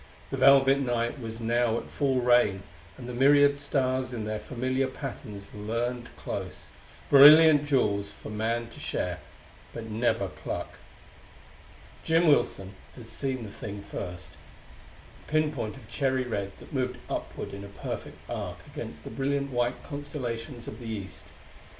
The velvet night was now at full reign, and the myriad stars in their familiar patterns leaned close brilliant jewels for man to share but never pluck. Jim Wilson had seen the thing first a pinpoint of cherry red that moved upward in a perfect arc against the brilliant white constellations of the east.